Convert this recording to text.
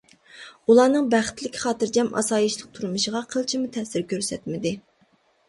ئۇلارنىڭ بەختلىك، خاتىرجەم، ئاسايىشلىق تۇرمۇشىغا قىلچىمۇ تەسىر كۆرسەتمىدى.